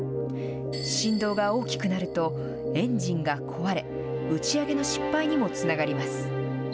振動が大きくなると、エンジンが壊れ、打ち上げの失敗にもつながります。